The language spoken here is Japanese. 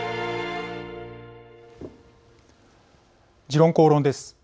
「時論公論」です。